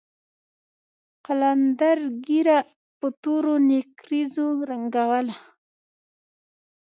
قلندر ږيره په تورو نېکريزو رنګوله.